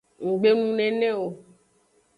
Nggbe nu nene o.